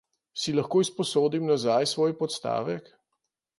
Si lahko izposodim nazaj svoj podstavek?